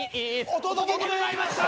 お届けにまいりました！